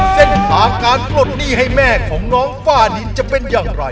เส้นทางการปลดหนี้ให้แม่ของน้องฝ้าดินจะเป็นอย่างไร